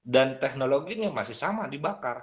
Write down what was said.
dan teknologinya masih sama dibakar